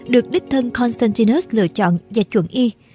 được đích thân constantinus lựa chọn và chuẩn y